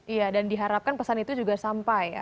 iya dan diharapkan pesan itu juga sampai ya